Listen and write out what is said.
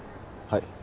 はい。